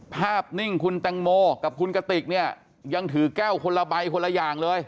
นิ่งคุณแตงโมกับคุณกติกเนี่ยยังถือแก้วคนละใบคนละอย่างเลย